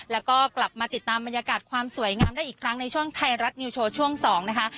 แล้วก็กลับมาติดตามบรรยากาศความสวยงามได้อีกครั้งในช่วงไทยรัฐนิวโชว์ช่วง๒นะคะ